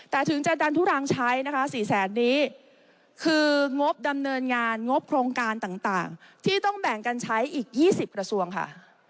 แต่ถึงจะดันทุรังใช้นะคะ๔แสนนี้คืองบดำเนินงานงบโครงการต่างที่ต้องแบ่งกันใช้อีก๒๐กระทรวงค่ะ